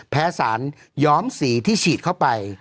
สารย้อมสีที่ฉีดเข้าไป